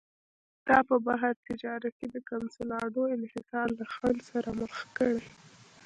دا په بهر تجارت کې د کنسولاډو انحصار له خنډ سره مخ کړي.